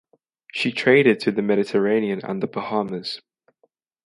She traded to the Mediterranean and the Bahamas.